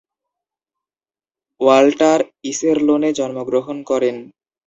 Walter ইসেরলোনে জন্মগ্রহণ করেন।